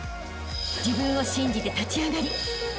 ［自分を信じて立ち上がりあしたへ